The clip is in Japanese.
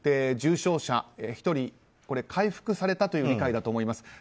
重症者、１人回復されたという理解だと思います。